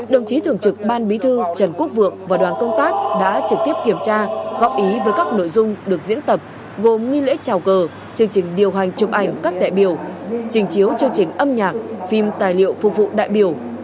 đồng chí thường trực ban bí thư trần quốc vượng và đoàn công tác đã trực tiếp kiểm tra góp ý với các nội dung được diễn tập gồm nghi lễ trào cờ chương trình điều hành chụp ảnh các đại biểu trình chiếu chương trình âm nhạc phim tài liệu phục vụ đại biểu